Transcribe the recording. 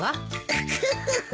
・ウフフフ。